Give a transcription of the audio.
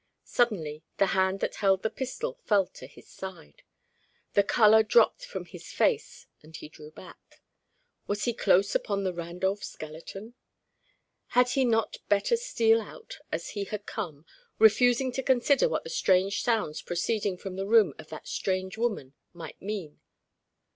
Suddenly the hand that held the pistol fell to his side. The colour dropped from his face, and he drew back. Was he close upon the Randolph skeleton? Had he not better steal out as he had come, refusing to consider what the strange sounds proceeding from the room of that strange woman might mean?